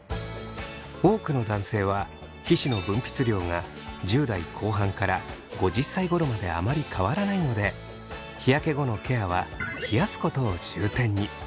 多くの男性は皮脂の分泌量が１０代後半から５０歳ごろまであまり変わらないので日焼け後のケアは冷やすことを重点に。